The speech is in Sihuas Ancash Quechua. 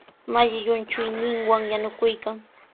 Malli llumchuyninwan yanukuykan.